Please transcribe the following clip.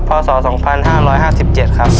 พศ๒๕๕๗ครับ